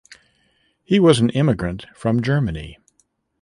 He was an immigrant from Germany.